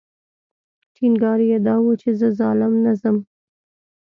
ټینګار یې دا و چې زه ظالم نه ځم.